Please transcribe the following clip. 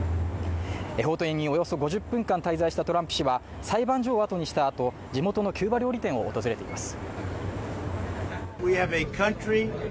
法廷におよそ５０分間滞在したトランプ氏は、裁判所をあとにした後、地元のキューバ料理店を訪れています。